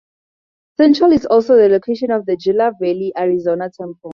Central is also the location of the Gila Valley Arizona Temple.